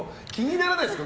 気にならないですか？